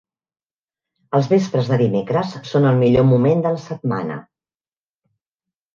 Els vespres de dimecres són el millor moment de la setmana.